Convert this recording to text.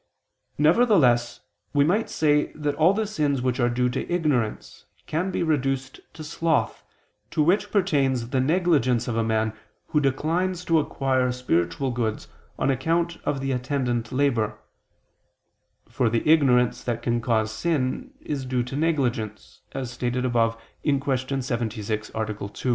Nevertheless we might say that all the sins which are due to ignorance, can be reduced to sloth, to which pertains the negligence of a man who declines to acquire spiritual goods on account of the attendant labor; for the ignorance that can cause sin, is due to negligence, as stated above (Q. 76, A. 2).